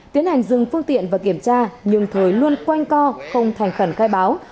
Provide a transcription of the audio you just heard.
tiến hành dừng phương tiện và kiểm tra nhưng thời luôn quanh co không thành khẩn khai báo